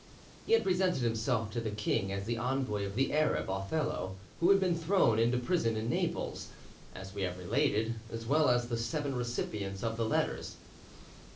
He had presented himself to the king as the envoy of the Arab, Othello, who had been thrown into prison in Naples, as we have related, as well as the seven recipients of the letters.